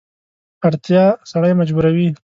اړتیا سړی مجبوروي.